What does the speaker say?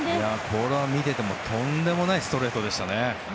これは見ていてもとんでもないストレートでした。